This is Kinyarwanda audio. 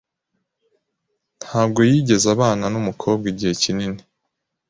Ntabwo yigeze abana numukobwa igihe kinini